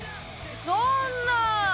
そんな！